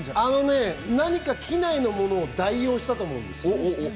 何か機内のものを代用したと思うんです。